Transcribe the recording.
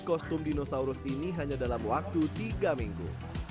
kostum dinosaurus ini hanya dalam waktu tiga minggu